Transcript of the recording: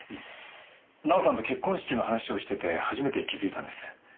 奈緒さんと結婚式の話をしてて初めて気付いたんです。